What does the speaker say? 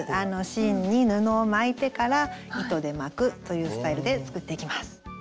芯に布を巻いてから糸で巻くというスタイルで作っていきます。